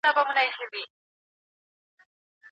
ایا ستا په ښوونځي کې ازادي سته؟